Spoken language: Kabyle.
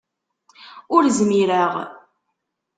Ur zmireɣ.